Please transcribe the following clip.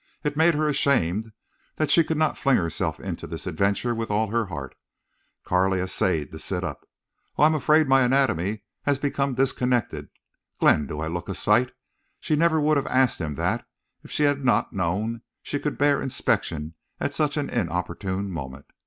It made her ashamed that she could not fling herself into this adventure with all her heart. Carley essayed to sit up. "Oh, I'm afraid my anatomy has become disconnected!... Glenn, do I look a sight?" She never would have asked him that if she had not known she could bear inspection at such an inopportune moment.